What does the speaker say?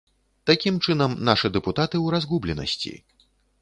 Такім чынам, нашы дэпутаты ў разгубленасці.